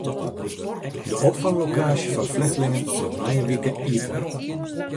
De opfanglokaasje foar flechtlingen wurdt nije wike iepene.